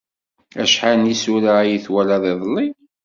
Acḥal n yisura ay twalaḍ iḍelli?